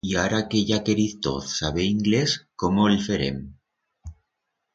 Y ara que ya queriz toz saber inglés, cómo el ferem?